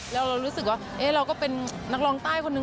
เรารู้สึกว่าเราก็เป็นนักร้องใต้คนหนึ่ง